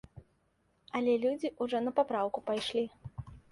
Але людзі ўжо на папраўку пайшлі.